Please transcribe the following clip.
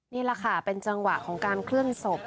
นี่แหละค่ะเป็นจังหวะของการเคลื่อนศพ